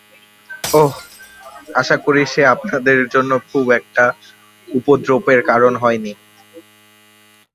অহ, আশা করি সে আপনাদের জন্য খুব একটা উপদ্রবের কারণ হয়নি।